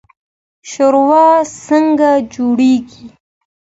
شورا څنګه جوړیږي؟